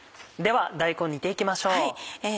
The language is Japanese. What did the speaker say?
では大根煮て行きましょう。